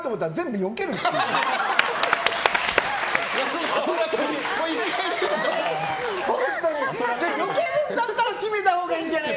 よけるんだったら閉めたほうがいいんじゃないの？